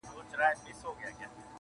یو کور د مېلمنو د پاره درلود.